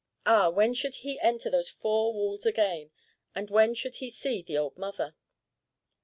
Ah, when should he enter those four walls again, and when should he see the old mother?